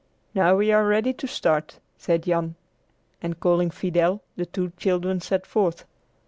"Now we are ready to start," said Jan; and, calling Fidel, the two children set forth.